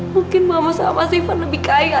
mungkin mama sama si van lebih kaya